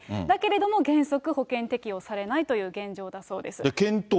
だけれども、原則保険適用されないという現状だそうです。